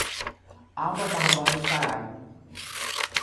Alba Barbosa Saraiva